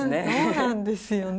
そうなんですよね